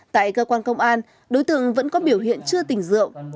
tại cơ quan công an đối tượng vẫn có biểu hiện chưa tình rượu